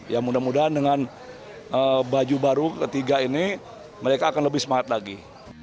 ya mudah mudahan dengan baju baru ketiga ini mereka akan lebih semangat lagi